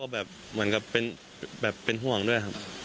แบบเป็นแบบเป็นห่วงด้วย